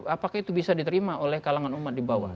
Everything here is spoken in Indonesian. apakah itu bisa diterima oleh kalangan umat di bawah